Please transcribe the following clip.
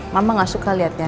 mama gak suka liatnya